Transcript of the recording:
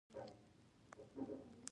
پۀ کال نولس سوه يو ديرشم کښې